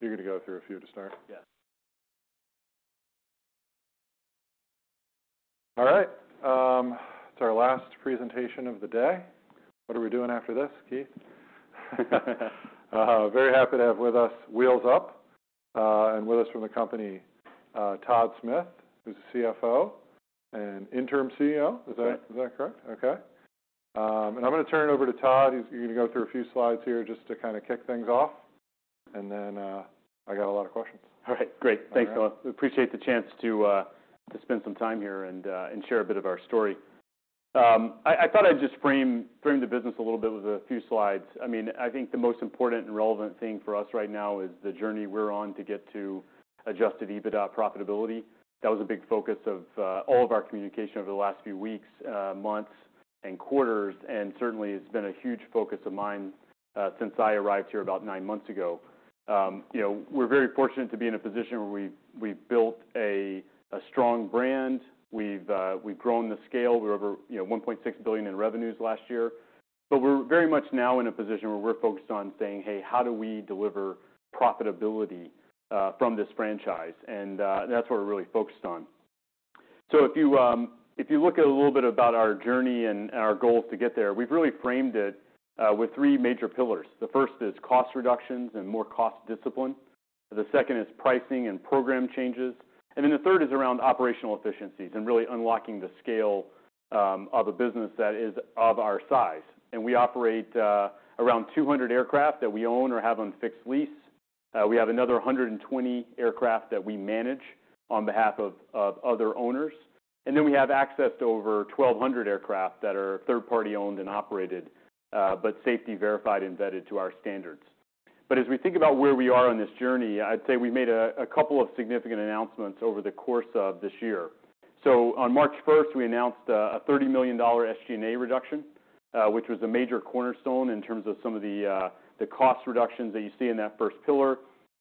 You're gonna go through a few to start? Yeah. All right. It's our last presentation of the day. What are we doing after this, Keith? Very happy to have with us Wheels Up, and with us from the company, Todd Smith, who's the CFO and Interim CEO. Is that correct? Yeah. Okay. I'm gonna turn it over to Todd. He's gonna go through a few slides here just to kinda kick things off, then I got a lot of questions. All right. Great. Yeah. Thanks, Noah. We appreciate the chance to spend some time here and share a bit of our story. I thought I'd just frame the business a little bit with a few slides. I mean, I think the most important and relevant thing for us right now is the journey we're on to get to adjusted EBITDA profitability. That was a big focus of all of our communication over the last few weeks, months, and quarters, and certainly, it's been a huge focus of mine since I arrived here about nine months ago. You know, we're very fortunate to be in a position where we've built a strong brand. We've grown the scale. We're over, you know, $1.6 billion in revenues last year. We're very much now in a position where we're focused on saying, "Hey, how do we deliver profitability from this franchise?" That's what we're really focused on. If you, if you look at a little bit about our journey and our goals to get there, we've really framed it with three major pillars. The first is cost reductions and more cost discipline. The second is pricing and program changes. Then the third is around operational efficiencies and really unlocking the scale of a business that is of our size. We operate around 200 aircraft that we own or have on fixed lease. We have another 120 aircraft that we manage on behalf of other owners. Then we have access to over 1,200 aircraft that are third-party owned and operated, but safety verified and vetted to our standards. As we think about where we are on this journey, I'd say we made a couple of significant announcements over the course of this year. On March 1st, we announced a $30 million SG&A reduction, which was a major cornerstone in terms of some of the cost reductions that you see in that first pillar.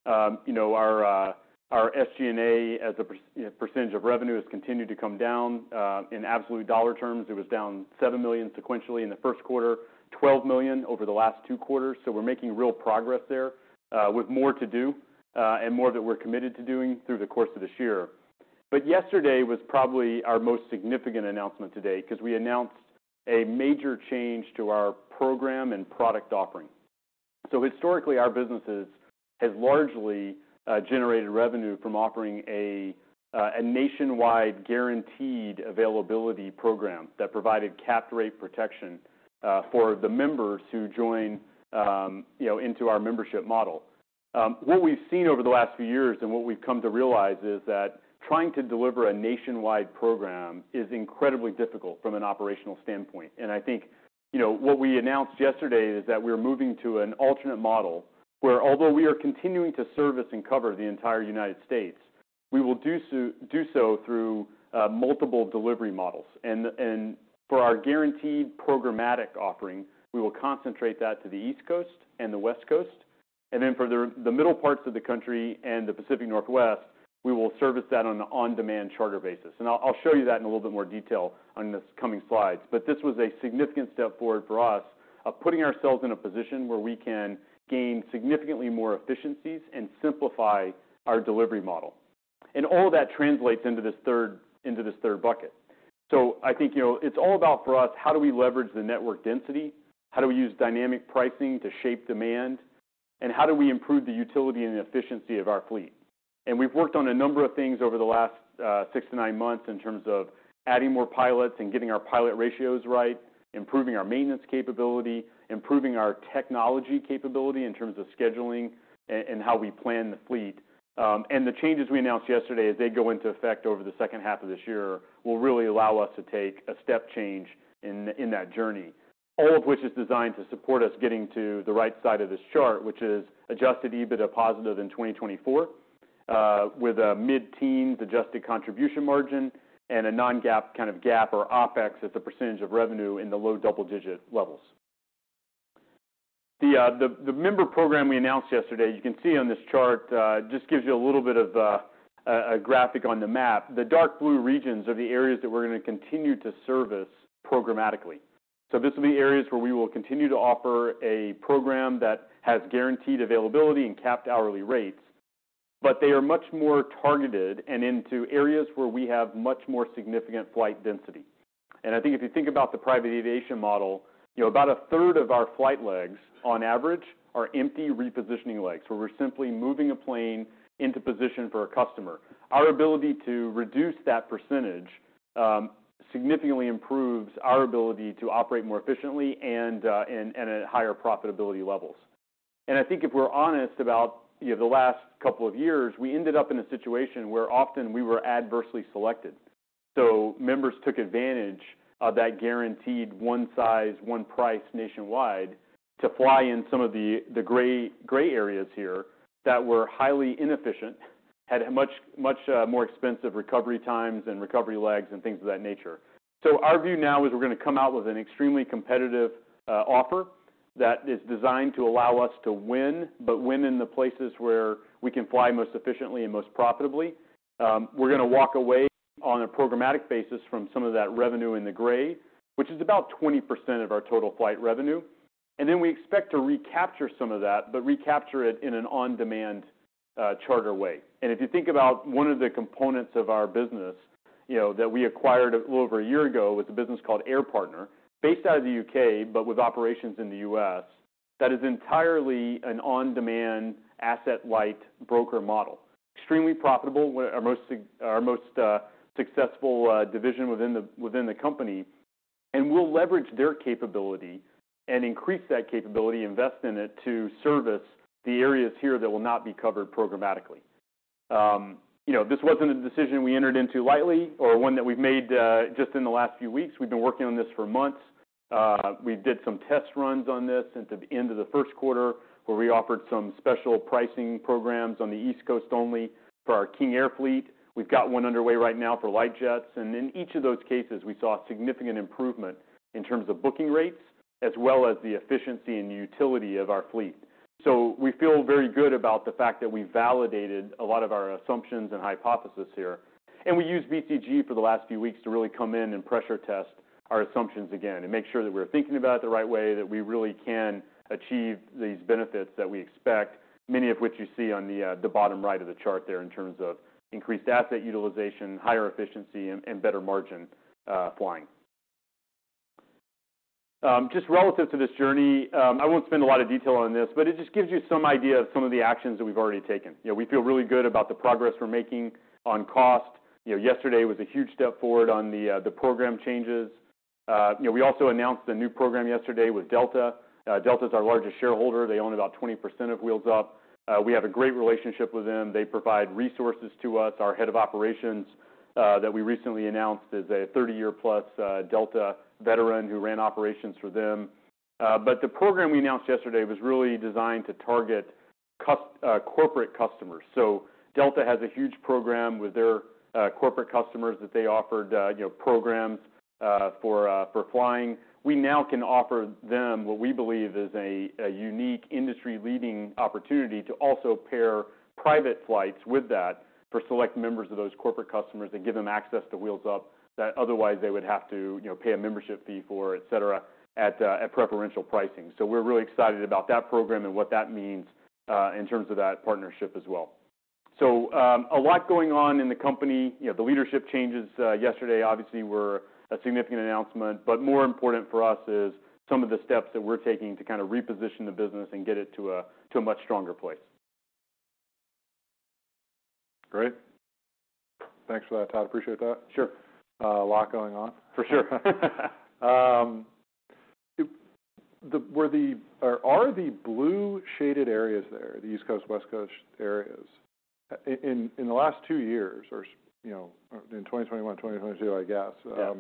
You know, our SG&A as a percentage of revenue has continued to come down. In absolute dollar terms, it was down $7 million sequentially in the first quarter, $12 million over the last two quarters. We're making real progress there, with more to do, and more that we're committed to doing through the course of this year. Yesterday was probably our most significant announcement to date 'cause we announced a major change to our program and product offering. Historically, our businesses has largely generated revenue from offering a nationwide guaranteed availability program that provided cap rate protection for the members who join, you know, into our membership model. What we've seen over the last few years and what we've come to realize is that trying to deliver a nationwide program is incredibly difficult from an operational standpoint. I think, you know, what we announced yesterday is that we're moving to an alternate model where although we are continuing to service and cover the entire United States, we will do so through multiple delivery models. For our guaranteed programmatic offering, we will concentrate that to the East Coast and the West Coast. Then for the middle parts of the country and the Pacific Northwest, we will service that on an on-demand charter basis. I'll show you that in a little bit more detail on the coming slides. This was a significant step forward for us of putting ourselves in a position where we can gain significantly more efficiencies and simplify our delivery model. All that translates into this third bucket. I think, you know, it's all about for us, how do we leverage the network density? How do we use dynamic pricing to shape demand? How do we improve the utility and the efficiency of our fleet? We've worked on a number of things over the last six to nine months in terms of adding more pilots and getting our pilot ratios right, improving our maintenance capability, improving our technology capability in terms of scheduling and how we plan the fleet. The changes we announced yesterday, as they go into effect over the second half of this year, will really allow us to take a step change in that journey. All of which is designed to support us getting to the right side of this chart, which is adjusted EBITDA positive in 2024, with a mid-teens adjusted contribution margin and a non-GAAP kind of GAAP or OpEx as a percentage of revenue in the low double-digit levels. The member program we announced yesterday, you can see on this chart, it just gives you a little bit of a graphic on the map. The dark blue regions are the areas that we're gonna continue to service programmatically. This will be areas where we will continue to offer a program that has guaranteed availability and capped hourly rates, but they are much more targeted and into areas where we have much more significant flight density. I think if you think about the private aviation model, you know, about a third of our flight legs, on average, are empty repositioning legs, where we're simply moving a plane into position for a customer. Our ability to reduce that percentage, significantly improves our ability to operate more efficiently and at higher profitability levels. I think if we're honest about, you know, the last couple of years, we ended up in a situation where often we were adversely selected. Members took advantage of that guaranteed one size, one price nationwide to fly in some of the gray areas here that were highly inefficient, had a much more expensive recovery times and recovery legs and things of that nature. Our view now is we're gonna come out with an extremely competitive offer that is designed to allow us to win, but win in the places where we can fly most efficiently and most profitably. We're gonna walk away on a programmatic basis from some of that revenue in the gray, which is about 20% of our total flight revenue. We expect to recapture some of that, but recapture it in an on-demand charter way. If you think about one of the components of our business, you know, that we acquired a little over a year ago, with a business called Air Partner, based out of the U.K., but with operations in the U.S., that is entirely an on-demand asset-light broker model. Extremely profitable, one of our most successful division within the company. We'll leverage their capability and increase that capability, invest in it to service the areas here that will not be covered programmatically. You know, this wasn't a decision we entered into lightly or one that we've made just in the last few weeks. We've been working on this for months. We did some test runs on this since the end of the first quarter, where we offered some special pricing programs on the East Coast only for our King Air fleet. We've got one underway right now for light jets. In each of those cases, we saw significant improvement in terms of booking rates as well as the efficiency and utility of our fleet. We feel very good about the fact that we validated a lot of our assumptions and hypothesis here. We used BCG for the last few weeks to really come in and pressure test our assumptions again and make sure that we're thinking about it the right way, that we really can achieve these benefits that we expect, many of which you see on the bottom right of the chart there in terms of increased asset utilization, higher efficiency, and better margin flying. Just relative to this journey, I won't spend a lot of detail on this, but it just gives you some idea of some of the actions that we've already taken. You know, we feel really good about the progress we're making on cost. You know, yesterday was a huge step forward on the program changes. You know, we also announced a new program yesterday with Delta. Delta's our largest shareholder. They own about 20% of Wheels Up. We have a great relationship with them. They provide resources to us. Our head of operations that we recently announced is a 30 year plus Delta veteran who ran operations for them. The program we announced yesterday was really designed to target corporate customers. Delta has a huge program with their corporate customers that they offered, you know, programs for flying. We now can offer them what we believe is a unique industry leading opportunity to also pair private flights with that for select members of those corporate customers and give them access to Wheels Up that otherwise they would have to, you know, pay a membership fee for, et cetera, at preferential pricing. We're really excited about that program and what that means in terms of that partnership as well. So a lot going on in the company. You know, the leadership changes yesterday obviously were a significant announcement, but more important for us is some of the steps that we're taking to kind of reposition the business and get it to a much stronger place. Great. Thanks for that, Todd. Appreciate that. Sure. A lot going on. For sure. Were the or are the blue shaded areas there, the East Coast, West Coast areas, in the last two years or, you know, in 2021, 2022, I guess? Yeah.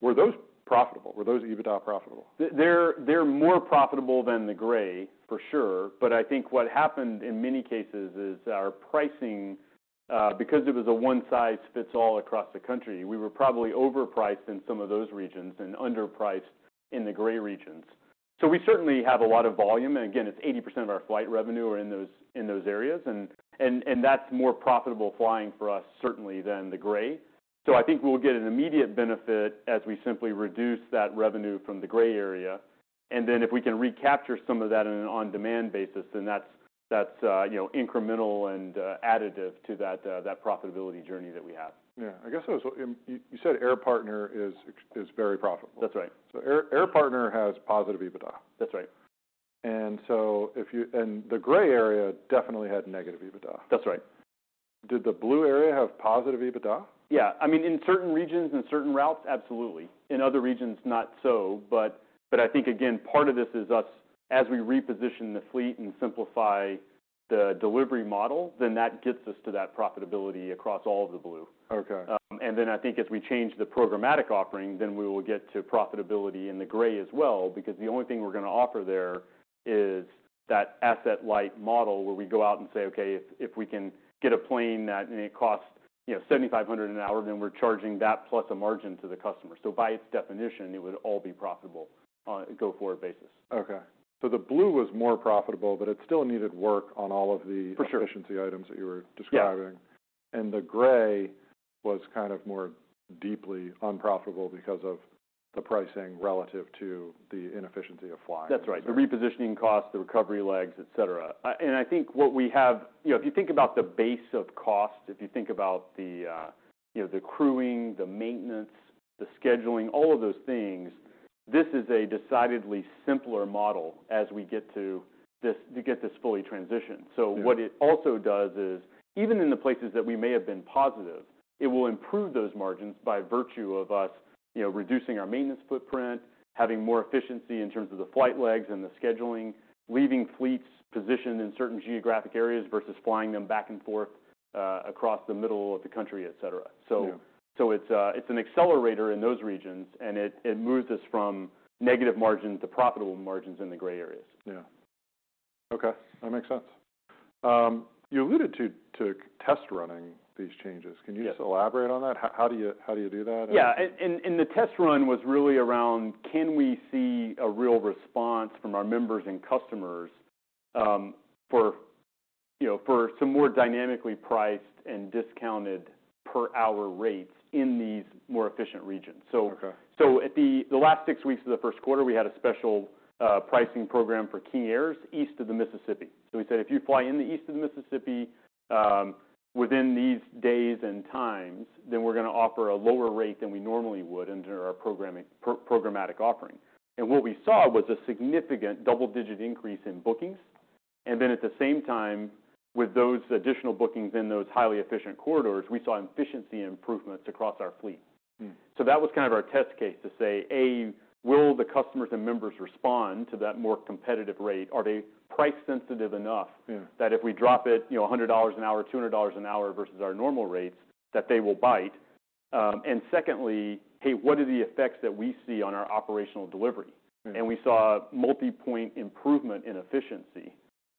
Were those profitable? Were those EBITDA profitable? They're more profitable than the gray, for sure. I think what happened in many cases is our pricing, because it was a one-size-fits-all across the country, we were probably overpriced in some of those regions and underpriced in the gray regions. We certainly have a lot of volume, and again, it's 80% of our flight revenue are in those, in those areas, and that's more profitable flying for us certainly than the gray. I think we'll get an immediate benefit as we simply reduce that revenue from the gray area, and then if we can recapture some of that in an on-demand basis, then that's, you know, incremental and additive to that profitability journey that we have. Yeah. I guess it was... You said Air Partner is very profitable. That's right. Air Partner has positive EBITDA. That's right. The gray area definitely had negative EBITDA. That's right. Did the blue area have positive EBITDA? Yeah. I mean, in certain regions and certain routes, absolutely. In other regions, not so. I think again, part of this is us, as we reposition the fleet and simplify the delivery model, then that gets us to that profitability across all of the blue. Okay. Then I think as we change the programmatic offering, then we will get to profitability in the gray as well because the only thing we're gonna offer there is that asset-light model where we go out and say, "Okay, if we can get a plane and it costs, you know, $7,500 an hour, then we're charging that plus a margin to the customer." By its definition, it would all be profitable on a go-forward basis. Okay. The blue was more profitable, but it still needed work on all of the... For sure. efficiency items that you were describing. Yeah. And the gray was kind of more deeply unprofitable because of the pricing relative to the inefficiency of flying. That's right. The repositioning costs, the recovery legs, et cetera. You know, if you think about the base of cost, if you think about the, you know, the crewing, the maintenance, the scheduling, all of those things, this is a decidedly simpler model as we get to get this fully transitioned. Yeah. What it also does is, even in the places that we may have been positive, it will improve those margins by virtue of us, you know, reducing our maintenance footprint, having more efficiency in terms of the flight legs and the scheduling, leaving fleets positioned in certain geographic areas versus flying them back and forth across the middle of the country, et cetera. Yeah. It's an accelerator in those regions and it moves us from negative margins to profitable margins in the gray areas. Yeah, okay, that makes sense. You alluded to test running these changes. Yes. Can you just elaborate on that? How do you do that? Yeah. The test run was really around can we see a real response from our members and customers, for, you know, for some more dynamically priced and discounted per hour rates in these more efficient regions. Okay. At the last six weeks of the first quarter, we had a special pricing program for King Air east of the Mississippi. We said, "If you fly in the east of the Mississippi, within these days and times, then we're gonna offer a lower rate than we normally would under our programmatic offering." What we saw was a significant double-digit increase in bookings. At the same time, with those additional bookings in those highly efficient corridors, we saw efficiency improvements across our fleet. Mm. That was kind of our test case to say, A, will the customers and members respond to that more competitive rate? Are they price sensitive enough- Mm.... that if we drop it, you know, $100 an hour, $200 an hour versus our normal rates, that they will bite? Secondly, hey, what are the effects that we see on our operational delivery? Mm. We saw multipoint improvement in efficiency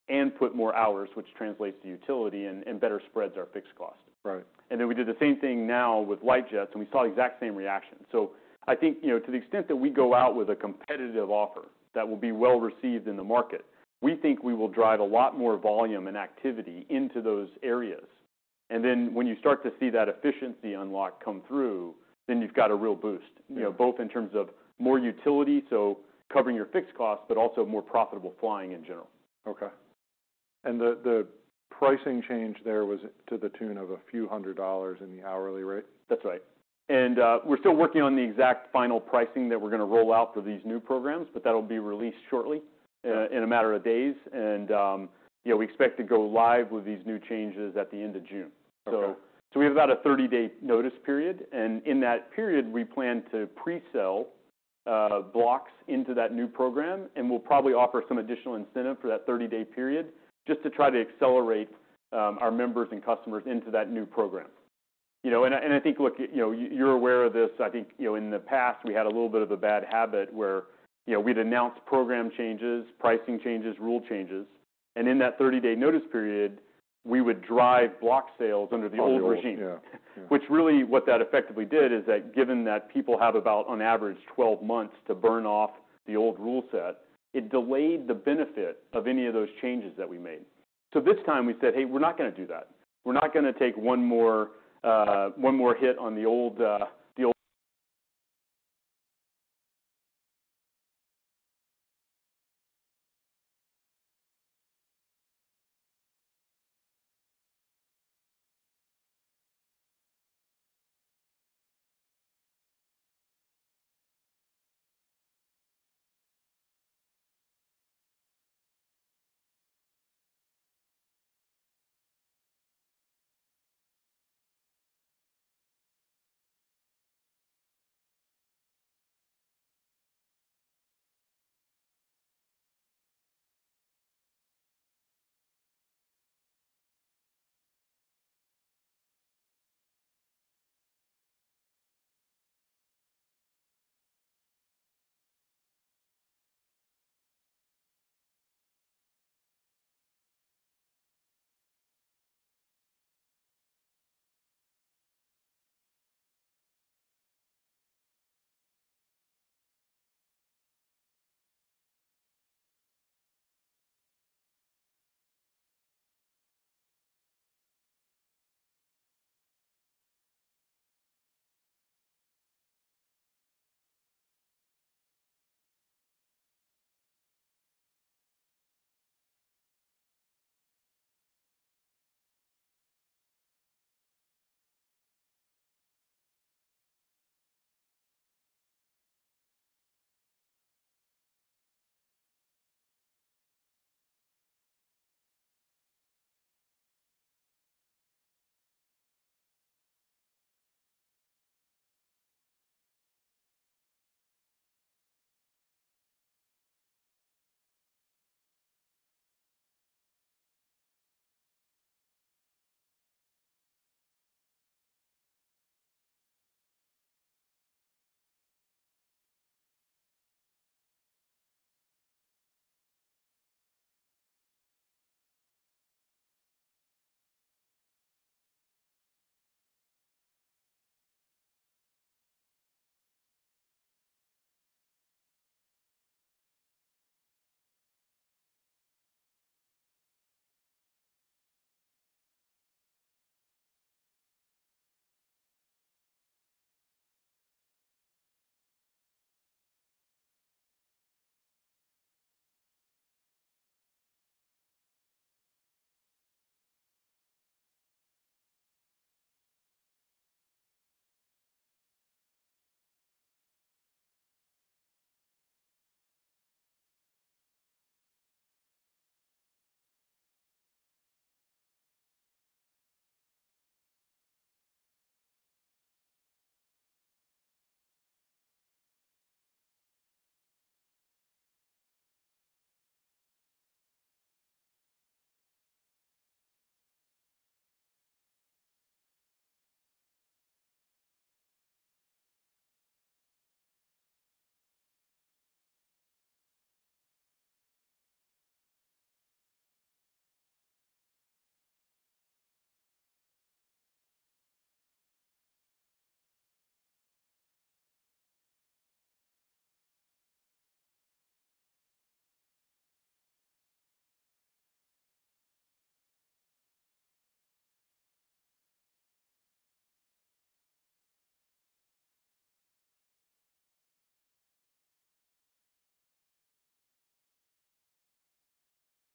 and put more hours, which translates to utility and better spreads our fixed cost. Right. We did the same thing now with light jets, and we saw exact same reaction. I think, you know, to the extent that we go out with a competitive offer that will be well received in the market, we think we will drive a lot more volume and activity into those areas. When you start to see that efficiency unlock come through, then you've got a real boost- Yeah... you know, both in terms of more utility, so covering your fixed cost, but also more profitable flying in general. Okay. the pricing change there was to the tune of a few hundred dollars in the hourly rate? That's right. We're still working on the exact final pricing that we're gonna roll out for these new programs, but that'll be released shortly... in a matter of days. you know, we expect to go live with these new changes at the end of June. Okay. We have about a 30 day notice period, in that period, we plan to pre-sell blocks into that new program, we'll probably offer some additional incentive for that 30 day period just to try to accelerate our members and customers into that new program. You know, I think, look, you know, you're aware of this. I think, you know, in the past, we had a little bit of a bad habit where, you know, we'd announce program changes, pricing changes, rule changes, and in that 30 day notice period, we would drive block sales under the old regime. Under the old... Yeah. Yeah. Really, what that effectively did is that given that people have about, on average, 12 months to burn off the old rule set, it delayed the benefit of any of those changes that we made. This time we said, "Hey, we're not gonna do that. We're not gonna take one more, one more hit on the old,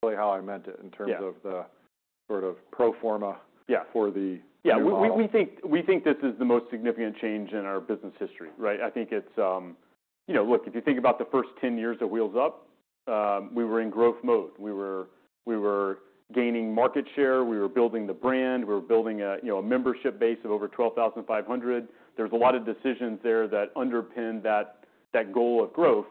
the old Really how I meant it in terms. Yeah... the sort of pro forma- Yeah... for the new model. We think this is the most significant change in our business history, right? I think it's, you know, look, if you think about the first ten years at Wheels Up, we were in growth mode. We were gaining market share, we were building the brand, we were building a, you know, a membership base of over 12,500. There's a lot of decisions there that underpin that goal of growth.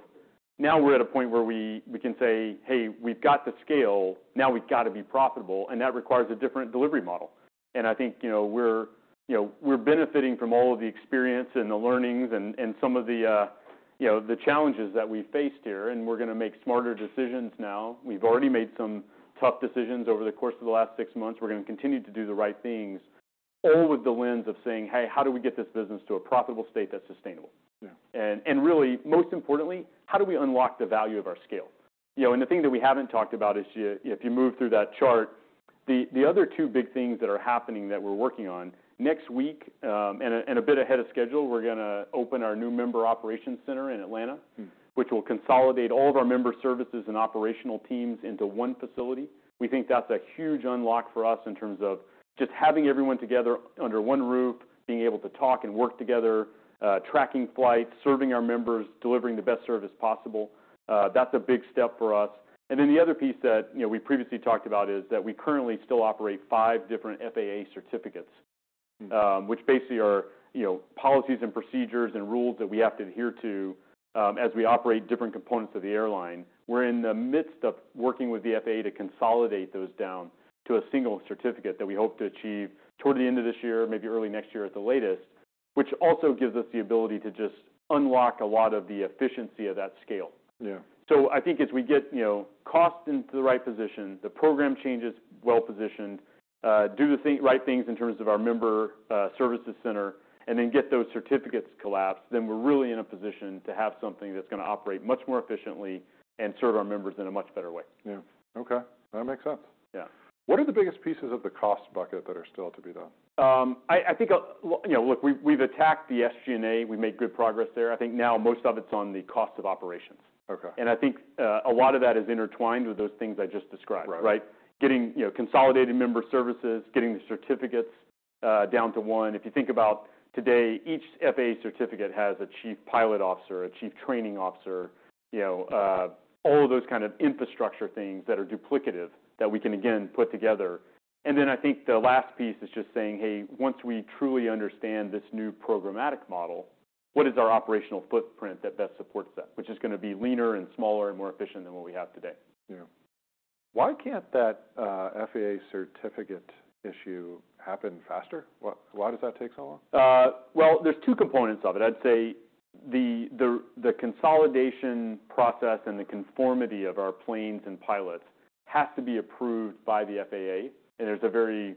Now we're at a point where we can say, "Hey, we've got the scale. Now we've got to be profitable," and that requires a different delivery model. I think, you know, we're, you know, we're benefiting from all of the experience and the learnings and some of the, you know, the challenges that we faced here, and we're gonna make smarter decisions now. We've already made some tough decisions over the course of the last six months. We're gonna continue to do the right things all with the lens of saying, "Hey, how do we get this business to a profitable state that's sustainable? Yeah. Really, most importantly, how do we unlock the value of our scale? You know, the thing that we haven't talked about is if you move through that chart, the other two big things that are happening that we're working on, next week, and a bit ahead of schedule, we're gonna open our new Member Operations Center in Atlanta. Mm-hmm... which will consolidate all of our member services and operational teams into one facility. We think that's a huge unlock for us in terms of just having everyone together under one roof, being able to talk and work together, tracking flights, serving our members, delivering the best service possible. That's a big step for us. The other piece that, you know, we previously talked about, is that we currently still operate five different FAA certificates. Mm-hmm... which basically are, you know, policies and procedures and rules that we have to adhere to, as we operate different components of the airline. We're in the midst of working with the FAA to consolidate those down to a single certificate that we hope to achieve toward the end of this year, maybe early next year at the latest, which also gives us the ability to just unlock a lot of the efficiency of that scale. Yeah. I think as we get, you know, cost into the right position, the program change is well positioned, do the right things in terms of our member services center, and then get those certificates collapsed, then we're really in a position to have something that's gonna operate much more efficiently and serve our members in a much better way. Yeah. Okay. That makes sense. Yeah. What are the biggest pieces of the cost bucket that are still to be done? I think You know, look, we've attacked the SG&A, we made good progress there. I think now most of it's on the cost of operations. Okay. I think, a lot of that is intertwined with those things I just described. Right. Right? Getting, you know, consolidating member services, getting the certificates down to one. If you think about today, each FAA certificate has a Chief Pilot Officer, a Chief Training Officer, you know, all of those kind of infrastructure things that are duplicative that we can, again, put together. Then I think the last piece is just saying, "Hey, once we truly understand this new programmatic model, what is our operational footprint that best supports that?" Which is gonna be leaner and smaller and more efficient than what we have today. Yeah. Why can't that, FAA certificate issue happen faster? Why does that take so long? Well, there's two components of it. I'd say the consolidation process and the conformity of our planes and pilots has to be approved by the FAA, and there's a very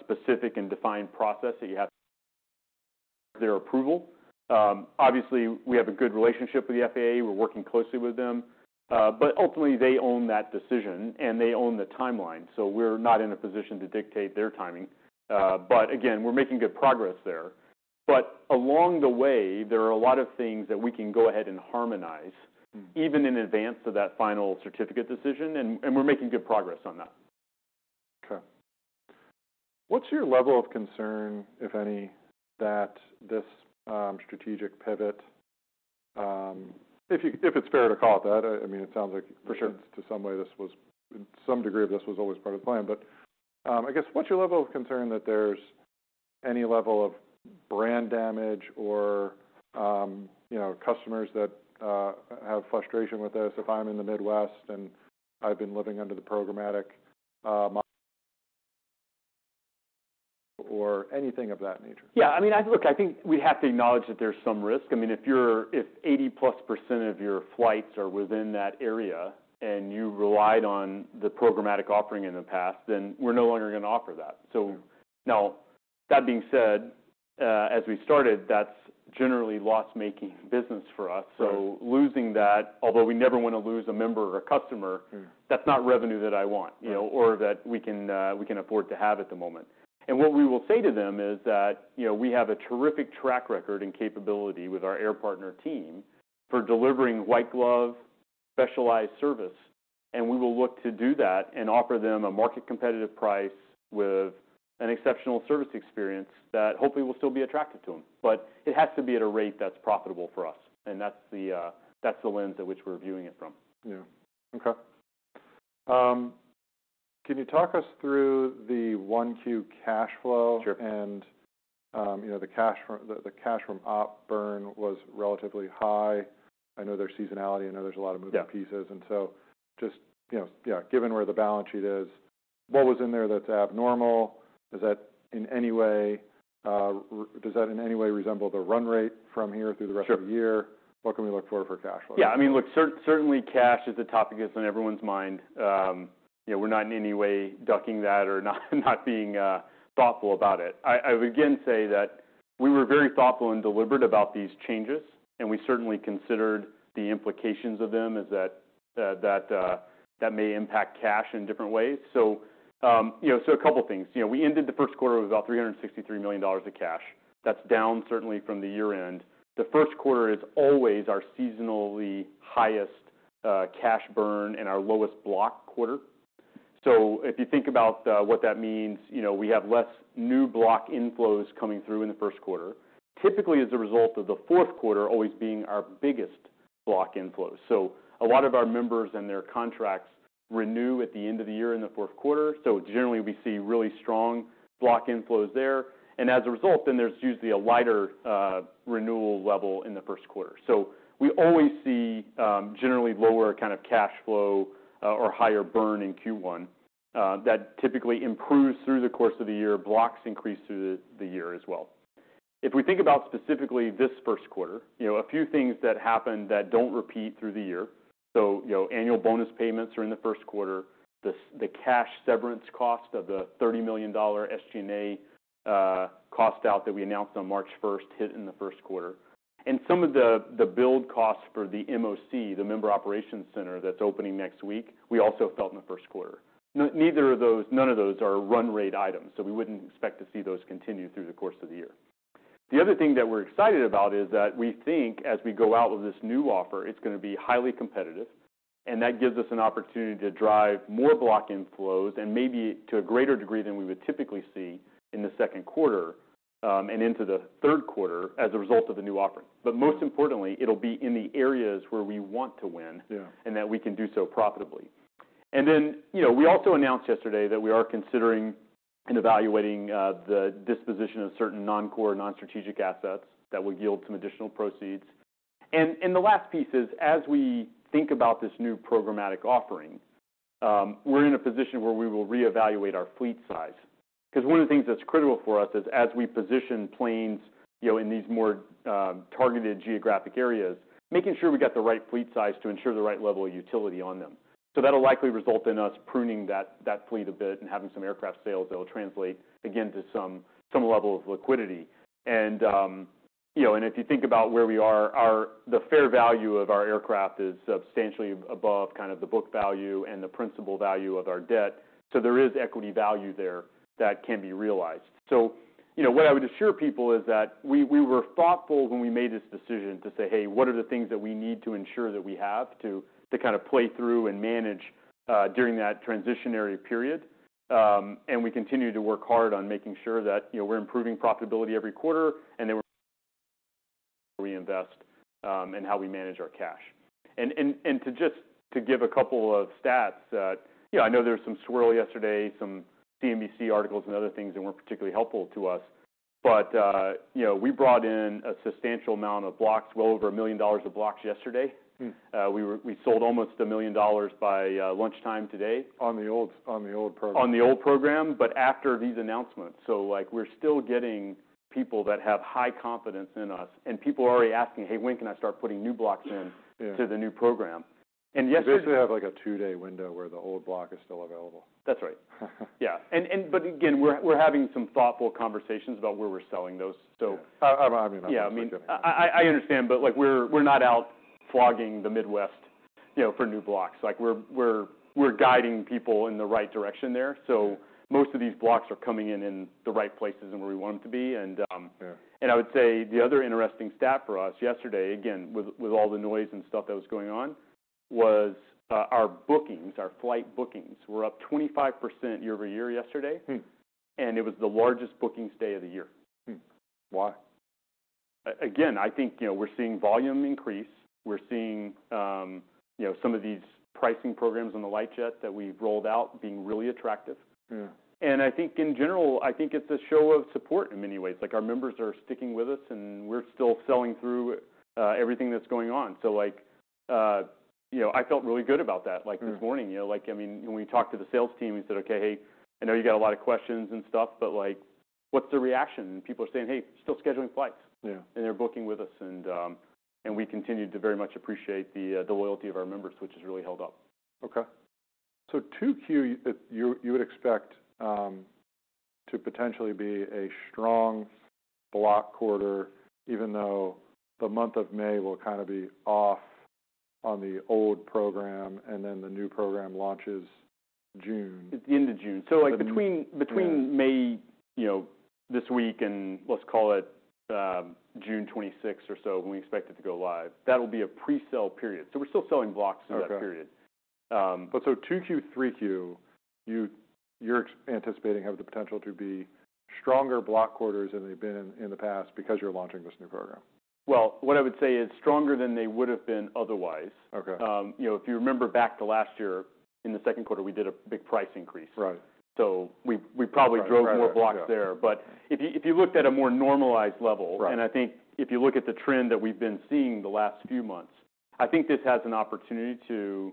specific and defined process that you have their approval. Obviously we have a good relationship with the FAA. We're working closely with them. Ultimately, they own that decision, and they own the timeline, so we're not in a position to dictate their timing. Again, we're making good progress there. Along the way, there are a lot of things that we can go ahead and harmonize- Mm-hmm ... even in advance of that final certificate decision, and we're making good progress on that. Okay. What's your level of concern, if any, that this strategic pivot, if it's fair to call it that. I mean, it sounds like- For sure.... to some way some degree of this was always part of the plan, but, I guess, what's your level of concern that there's any level of brand damage or, you know, customers that have frustration with this if I'm in the Midwest and I've been living under the programmatic model or anything of that nature? Yeah, I mean, Look, I think we have to acknowledge that there's some risk. I mean, if 80% plus of your flights are within that area and you relied on the programmatic offering in the past, then we're no longer going to offer that. Yeah That being said, as we started, that's generally loss-making business for us. Right. losing that, although we never wanna lose a member or a customer- Mm-hmm that's not revenue that I. Right... you know, or that we can, we can afford to have at the moment. What we will say to them is that, you know, we have a terrific track record and capability with our Air Partner team for delivering white glove specialized service, and we will look to do that and offer them a market competitive price with an exceptional service experience that hopefully will still be attractive to them. It has to be at a rate that's profitable for us, and that's the, that's the lens at which we're viewing it from. Yeah. Okay. Can you talk us through the 1Q cash flow? Sure. you know, the cash from op burn was relatively high. I know there's seasonality. I know there's a lot of moving pieces. Yeah. just, you know, yeah, given where the balance sheet is. What was in there that's abnormal? Is that in any way, does that in any way resemble the run rate from here through the rest of the year? Sure. What can we look for for cash flow? Yeah, I mean, look, certainly, cash is a topic that's on everyone's mind. You know, we're not in any way ducking that or not being thoughtful about it. I would again say that we were very thoughtful and deliberate about these changes, and we certainly considered the implications of them, is that that may impact cash in different ways. You know, so a couple things. You know, we ended the first quarter with about $363 million of cash. That's down certainly from the year-end. The first quarter is always our seasonally highest cash burn and our lowest block quarter. If you think about what that means, you know, we have less new block inflows coming through in the first quarter, typically as a result of the fourth quarter always being our biggest block inflows. A lot of our members and their contracts renew at the end of the year in the fourth quarter. Generally we see really strong block inflows there, and as a result, then there's usually a lighter renewal level in the first quarter. We always see generally lower kind of cash flow or higher burn in Q1. That typically improves through the course of the year. Blocks increase through the year as well. If we think about specifically this first quarter, you know, a few things that happened that don't repeat through the year. You know, annual bonus payments are in the first quarter. The cash severance cost of the $30 million SG&A cost out that we announced on March 1st hit in the first quarter. Some of the build costs for the MOC, the Member Operations Center, that's opening next week, we also felt in the first quarter. None of those are run rate items, we wouldn't expect to see those continue through the course of the year. The other thing that we're excited about is that we think, as we go out with this new offer, it's gonna be highly competitive, and that gives us an opportunity to drive more block inflows and maybe to a greater degree than we would typically see in the second quarter and into the third quarter as a result of the new offering. Most importantly, it'll be in the areas where we want to win. Yeah... and that we can do so profitably. Then, you know, we also announced yesterday that we are considering and evaluating the disposition of certain non-core, non-strategic assets that will yield some additional proceeds. The last piece is, as we think about this new programmatic offering, we're in a position where we will re-evaluate our fleet size. 'Cause one of the things that's critical for us is as we position planes, you know, in these more targeted geographic areas, making sure we got the right fleet size to ensure the right level of utility on them. That'll likely result in us pruning that fleet a bit and having some aircraft sales that'll translate again to some level of liquidity. you know, if you think about where we are, the fair value of our aircraft is substantially above kind of the book value and the principal value of our debt. There is equity value there that can be realized. you know, what I would assure people is that we were thoughtful when we made this decision to say, "Hey, what are the things that we need to ensure that we have to kind of play through and manage during that transitionary period?" We continue to work hard on making sure that, you know, we're improving profitability every quarter and that we reinvest and how we manage our cash. To give a couple of stats that... You know, I know there was some swirl yesterday, some CNBC articles and other things that weren't particularly helpful to us. You know, we brought in a substantial amount of blocks, well over $1 million of blocks yesterday. Hmm. we sold almost $1 million by lunchtime today. On the old program. On the old program, but after these announcements. Like, we're still getting people that have high confidence in us, and people are already asking, "Hey, when can I start putting new blocks in. Yeah... to the new program?" yesterday- You basically have, like, a two day window where the old block is still available. That's right. Yeah. Again, we're having some thoughtful conversations about where we're selling those. Yeah. I mean, Yeah. I mean, I understand, but, like, we're not out flogging the Midwest, you know, for new blocks. Like, we're guiding people in the right direction there. Most of these blocks are coming in in the right places and where we want them to be. Yeah... and I would say the other interesting stat for us yesterday, again, with all the noise and stuff that was going on, was, our bookings, our flight bookings were up 25% year-over-year yesterday. Hmm. It was the largest bookings day of the year. Why? Again, I think, you know, we're seeing volume increase. We're seeing, you know, some of these pricing programs on the light jets that we've rolled out being really attractive. Yeah. I think in general, I think it's a show of support in many ways. Like, our members are sticking with us, and we're still selling through everything that's going on. Like, you know, I felt really good about that, like, this morning. You know, like, I mean, when we talked to the sales team and said, "Okay, hey, I know you got a lot of questions and stuff, but, like, what's the reaction?" People are saying, "Hey, still scheduling flights. Yeah. They're booking with us and we continue to very much appreciate the loyalty of our members, which has really held up. Okay. 2Q, you would expect to potentially be a strong block quarter, even though the month of May will kind of be off on the old program, and then the new program launches June. At the end of June. Yeah... between May, you know, this week and let's call it, June 26th or so when we expect it to go live, that'll be a pre-sale period. We're still selling blocks in that period. 2Q, 3Q, you're anticipating have the potential to be stronger block quarters than they've been in the past because you're launching this new program. Well, what I would say is stronger than they would have been otherwise. Okay. you know, if you remember back to last year, in the second quarter, we did a big price increase. Right. we probably drove more blocks there. Right. Right. Yeah. If you looked at a more normalized level. Right I think if you look at the trend that we've been seeing the last few months, I think this has an opportunity to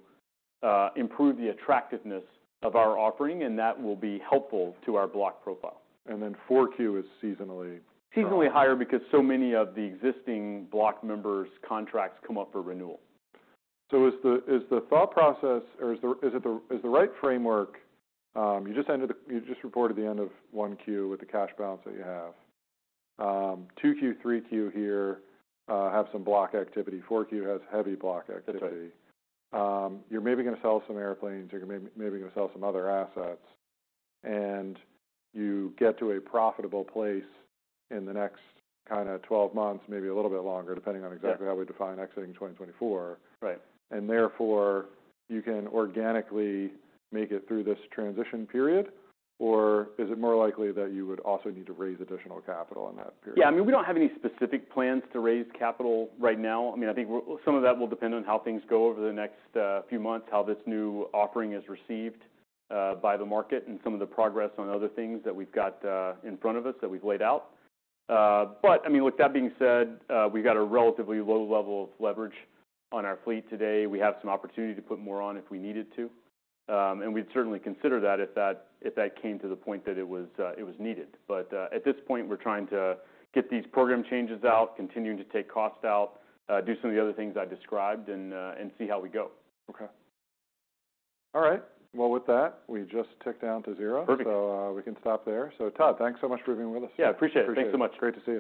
improve the attractiveness of our offering, and that will be helpful to our block profile. 4Q is seasonally strong. Seasonally higher because so many of the existing block members' contracts come up for renewal. Is the thought process or is the right framework? You just reported the end of 1Q with the cash balance that you have. 2Q, 3Q here, have some block activity. 4Q has heavy block activity. That's right. You're maybe gonna sell some airplanes. You're maybe gonna sell some other assets. You get to a profitable place in the next kinda 12 months, maybe a little bit longer, depending on exactly how we define exiting 2024. Right. Therefore, you can organically make it through this transition period? Or is it more likely that you would also need to raise additional capital in that period? Yeah. I mean, we don't have any specific plans to raise capital right now. I mean, I think some of that will depend on how things go over the next few months, how this new offering is received by the market and some of the progress on other things that we've got in front of us that we've laid out. I mean, with that being said, we've got a relatively low level of leverage on our fleet today. We have some opportunity to put more on if we needed to. We'd certainly consider that if that came to the point that it was, it was needed. At this point, we're trying to get these program changes out, continuing to take costs out, do some of the other things I described and see how we go. Okay. All right. Well, with that, we just ticked down to zero. Perfect. We can stop there. Todd, thanks so much for being with us. Yeah, appreciate it. Appreciate it. Thanks so much. Great to see you.